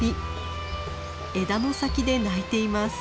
枝の先で鳴いています。